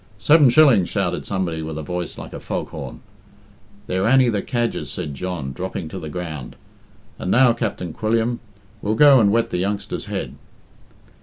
"Seven shillings," shouted somebody with a voice like a foghorn. "They're Annie the Cadger's," said John, dropping to the ground. "And now, Capt'n Quilliam, we'll go and wet the youngster's head."